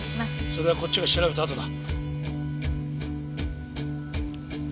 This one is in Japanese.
それはこっちが調べたあとだ。